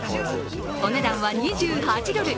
お値段は２８ドル。